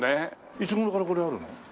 いつ頃からこれあるの？